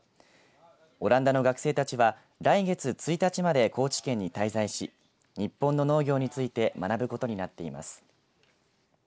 オランダの学生たちは来月１日まで高知県に滞在し日本の農業について学ぶことになっています。